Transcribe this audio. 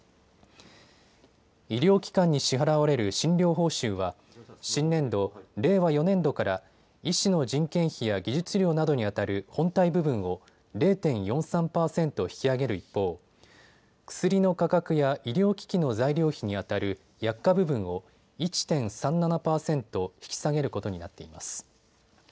医療機関に支払われる診療報酬は新年度・令和４年度から医師の人件費や技術料などにあたる本体部分を０．４３％引き上げる一方、薬の価格や医療機器の材料費にあたる薬価部分を１．３７％引き下げることになっています。